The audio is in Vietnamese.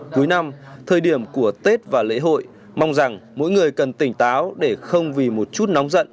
cuối năm thời điểm của tết và lễ hội mong rằng mỗi người cần tỉnh táo để không vì một chút nóng giận